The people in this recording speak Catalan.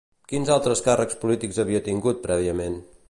Quins altres càrrecs polítics havia tingut prèviament?